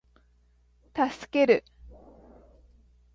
助ける